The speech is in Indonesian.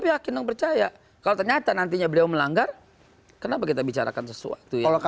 yakin dan percaya kalau ternyata nantinya beliau melanggar kenapa kita bicarakan sesuatu yang